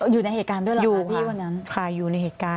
อยู่ในเหตุการณ์ด้วยเหรออยู่พี่วันนั้นค่ะอยู่ในเหตุการณ์